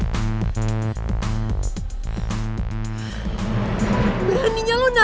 lo kan telakunya